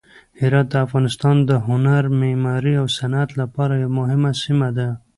هرات د افغانستان د هنر، معمارۍ او صنعت لپاره یوه مهمه سیمه ده.